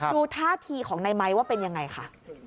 ดูท่าทีของในไม้ว่าเป็นยังไงค่ะ